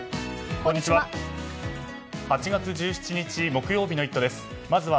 こんにちは。